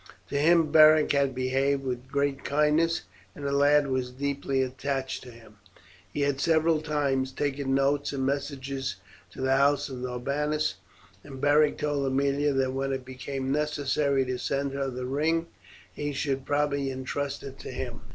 To him Beric had behaved with great kindness, and the lad was deeply attached to him. He had several times taken notes and messages to the house of Norbanus, and Beric told Aemilia that when it became necessary to send her the ring, he should probably intrust it to him.